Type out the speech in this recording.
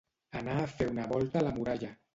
Anar a fer una volta a la muralla.